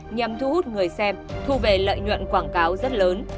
nhằm thu hút người xem thu về lợi nhuận quảng cáo rất lớn